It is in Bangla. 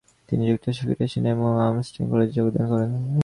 তিনি যুক্তরাষ্ট্রে ফিরে আসেন এবং আর্মহার্স্ট কলেজে যোগদান করেন।